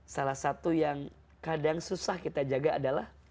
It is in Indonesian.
salah satu yang kadang susah kita jaga adalah